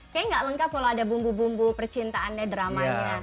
kayaknya nggak lengkap kalau ada bumbu bumbu percintaannya dramanya